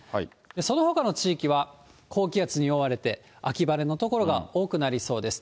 そのほかの地域は高気圧に覆われて、秋晴れの所が多くなりそうです。